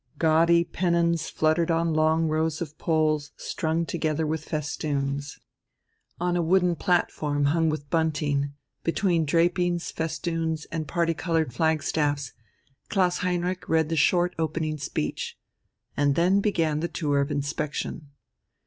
Gaudy pennons fluttered on long rows of poles strung together with festoons. On a wooden platform hung with bunting, between drapings, festoons, and parti coloured flagstaffs, Klaus Heinrich read the short opening speech. And then began the tour of inspection.